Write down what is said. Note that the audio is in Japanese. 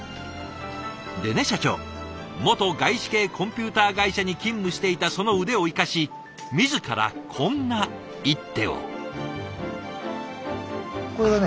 でね社長元外資系コンピューター会社に勤務していたその腕を生かし自らこんな一手を。